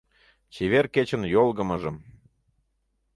Чевер кечын йолгымыжым.